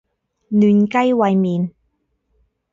嫩雞煨麵